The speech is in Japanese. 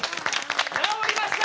治りました！